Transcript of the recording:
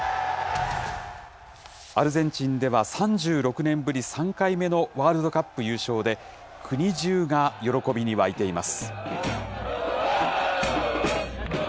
アルゼンチンでは、３６年ぶり３回目のワールドカップ優勝で、国じゅうが喜びに沸いています。